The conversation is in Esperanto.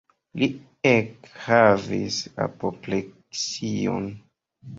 Li ekhavis apopleksion.